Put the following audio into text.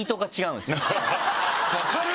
分かる！